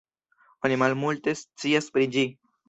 Oni malmulte scias pri ĝi.